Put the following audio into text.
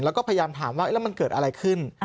แล้วก็พยายามถามว่าแล้วมันเกิดอะไรขึ้น